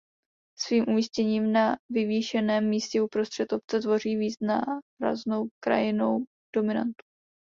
Svým umístěním na vyvýšeném místě uprostřed obce tvoří výraznou krajinnou dominantu.